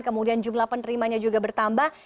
kemudian jumlah penerimanya juga bertambah